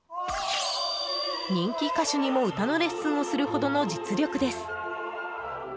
人気歌手にも歌のレッスンをするほどの実力です。